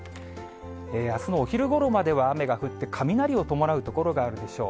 あすのお昼ごろまでは雨が降って、雷を伴う所があるでしょう。